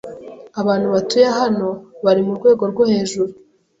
Abantu batuye hano bari murwego rwo hejuru.